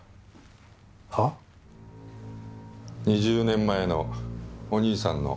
２０年前のお兄さんの冤罪の。